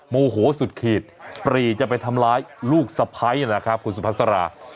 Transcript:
โมโหสุดขีดปรีจะไปทำร้ายลูกสะพ้ายนะครับคุณสุภาษารา